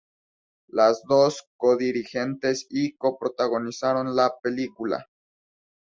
Las dos co-dirigieron y co-protagonizaron la película.